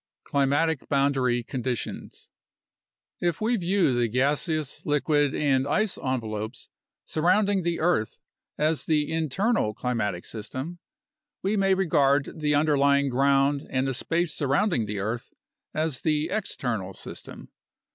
Climatic Boundary Conditions If we view the gaseous, liquid, and ice envelopes surrounding the earth as the internal climatic system, we may regard the underlying ground and the space surrounding the earth as the external system.